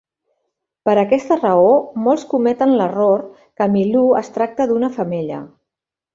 Per aquesta raó molts cometen l'error que Milú es tracta d'una femella.